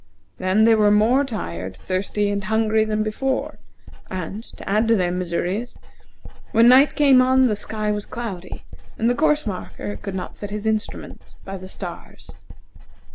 Then they were more tired, thirsty, and hungry than before; and, to add to their miseries, when night came on the sky was cloudy, and the course marker could not set his instrument by the stars.